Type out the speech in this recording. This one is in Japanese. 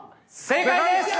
正解です！